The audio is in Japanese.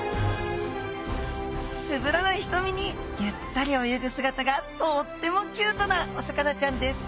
つぶらなひとみにゆったり泳ぐ姿がとってもキュートなお魚ちゃんです。